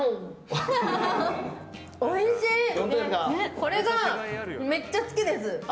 これがめっちゃ好きです！